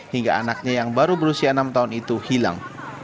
hingga anaknya yang baru berusia enam tahun itu hilang